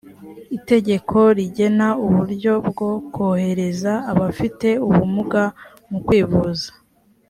itegeko rigena uburyo bwo korohereza abafite ubumuga mu kwivuza